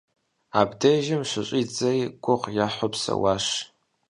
Абдежым щыщӀидзэри гугъу ехьу псэуащ.